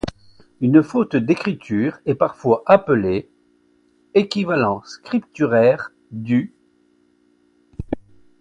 Une faute d'écriture est parfois appelée '– équivalent scripturaire du '.